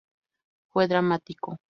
Fue dramático".